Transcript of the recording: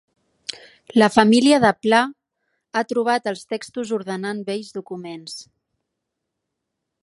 La família de Pla ha trobat els textos ordenant vells documents